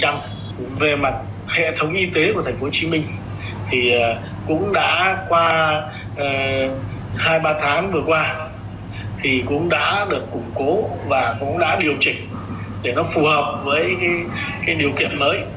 tìm mũi hai là cũng sáu mươi bảy mươi về mặt hệ thống y tế của tp hcm thì cũng đã qua hai ba tháng vừa qua thì cũng đã được củng cố và cũng đã điều trị để nó phù hợp với cái điều kiện mới